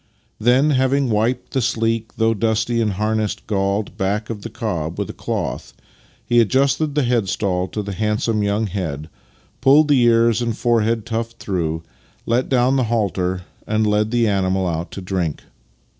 Then, having wiped the sleek, though dusty and harness galled, back of the cob with a cloth, he ad justed the headstall to the handsome young head, pulled the ears and forehead tuft through, let down the halter, and led the animal out to drink.